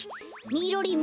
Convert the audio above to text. みろりん！